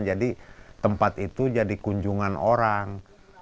jadi tempat itu jadi kunjungan orang